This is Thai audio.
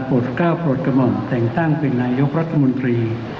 ก้าวปลดกระหม่อมแต่งตั้งเป็นนายกรัฐมนตรี